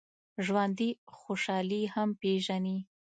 ژوندي خوشحالي هم پېژني